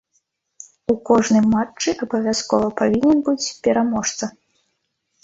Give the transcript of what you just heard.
У кожным матчы абавязкова павінен быць пераможца.